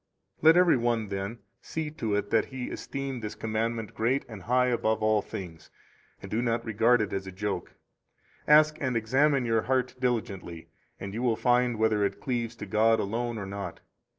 28 Let every one, then, see to it that he esteem this commandment great and high above all things, and do not regard it as a joke. Ask and examine your heart diligently, and you will find whether it cleaves to God alone or not.